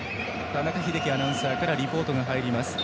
田中秀樹アナウンサーからリポートが入ります。